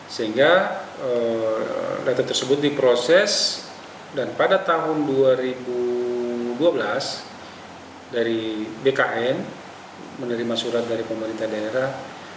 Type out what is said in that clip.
sehingga data tersebut diproses dan pada tahun dua ribu dua belas dari bkn menerima surat dari pemerintah daerah